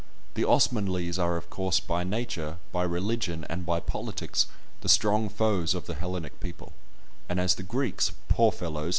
The Osmanlees are, of course, by nature, by religion, and by politics, the strong foes of the Hellenic people, and as the Greeks, poor fellows!